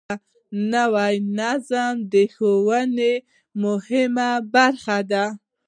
نوی نظم د ښوونې مهمه برخه ده